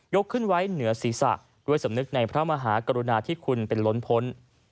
ขึ้นไว้เหนือศีรษะด้วยสำนึกในพระมหากรุณาที่คุณเป็นล้นพ้น